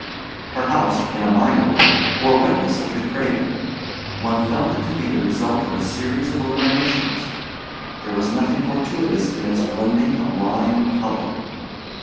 Her house, in a minor way, bore witness to the craving. One felt it to be the result of a series of eliminations: there was nothing fortuitous in its blending of line and color.